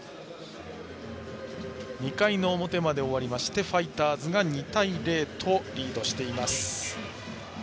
２回の表まで終わってファイターズが２対０とリードしています。